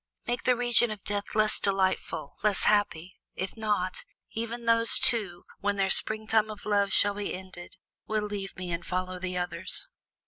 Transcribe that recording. "Make the region of Death less delightful, less happy; if not, even those two when their springtime of love shall be ended will leave me and follow the others."